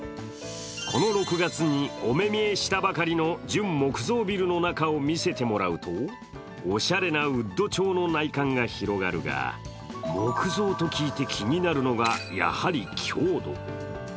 この６月にお目見えしたばかりの純木造ビルの中を見せてもらうとおしゃれなウッド調の内観が広がるが、木造と聞いて気になるのがやはり強度。